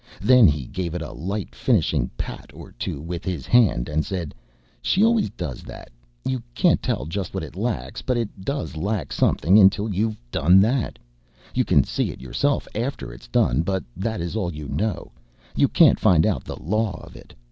Then he gave it a light finishing pat or two with his hand, and said: "She always does that. You can't tell just what it lacks, but it does lack something until you've done that you can see it yourself after it's done, but that is all you know; you can't find out the law of it.